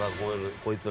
こいつら。